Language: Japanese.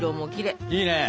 いいね。